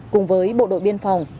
cùng với bộ đội biên phòng